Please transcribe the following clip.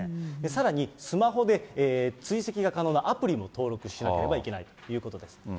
さらにスマホで追跡が可能なアプリを登録しなければいけないということです。